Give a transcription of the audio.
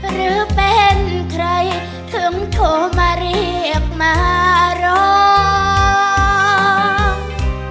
หรือเป็นใครถึงโทรมาเรียกมาร้อง